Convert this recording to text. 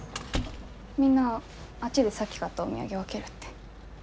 みんなあっちでさっき買ったお土産分けるって。